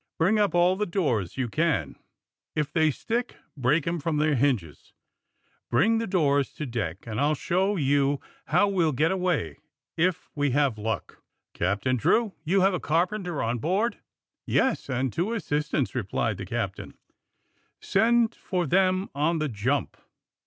Bring up all the doors you can ! If they stick, break 'em from their hinges ! Bring the doors to deck, and I'll show you how we '11 get away — if we have luck ! Captain Drew, you have a carpenter on board!" ^^Yes, and two assistants," replied the cap tain, *^Send for them on the jump.